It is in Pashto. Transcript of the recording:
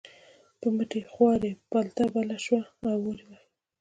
په مټې خوارۍ پلته بله شوه او اور یې واخیست.